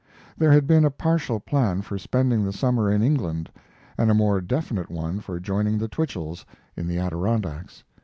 There had been a partial plan for spending the summer in England, and a more definite one for joining the Twichells in the Adirondacks.